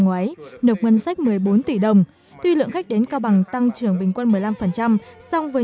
ngoái nộp ngân sách một mươi bốn tỷ đồng tuy lượng khách đến cao bằng tăng trưởng bình quân một mươi năm song với